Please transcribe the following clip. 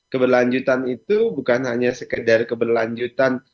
keberlanjutan itu bukan hanya sekedar keberlanjutan